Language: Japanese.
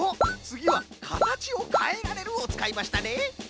つぎは「かたちをかえらえる」をつかいましたね！